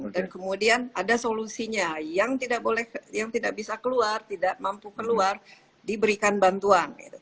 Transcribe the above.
dan kemudian ada solusinya yang tidak boleh yang tidak bisa keluar tidak mampu keluar diberikan bantuan